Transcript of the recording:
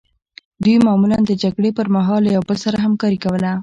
دوی معمولا د جګړې پرمهال له یو بل سره همکاري کوله